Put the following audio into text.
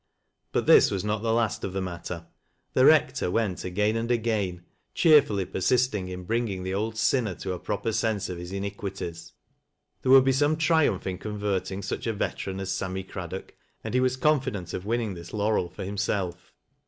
But this was not the last of the matter. The Rectoi svent again and again, cheerfully persisting in bringing the old sinner to a proper sense of his iniquities. There would be some triumph in converting such a veteran as Sammy Craddock, and he was confident of winning this laurel for himself.